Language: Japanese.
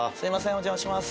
お邪魔します。